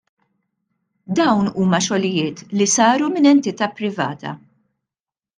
Dawn huma xogħlijiet li saru minn entita' privata.